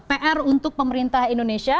pr untuk pemerintah indonesia